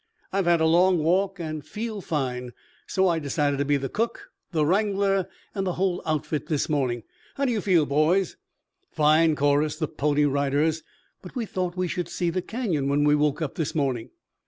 I've had a long walk and feel fine, so I decided to be the cook, the wrangler and the whole outfit this morning. How do you feel, boys?" "Fine!" chorused the Pony Riders. "But we thought we should see the Canyon when we woke up this morning."